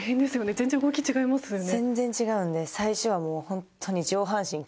全然、動きが違いますよね。